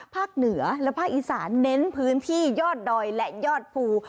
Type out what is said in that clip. เหนือและภาคอีสานเน้นพื้นที่ยอดดอยและยอดภู